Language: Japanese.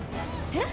え？